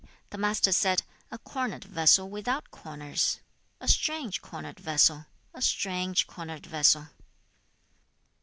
The Master said, 'A cornered vessel without corners. A strange cornered vessel! A strange cornered vessel!'